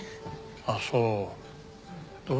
あっそう。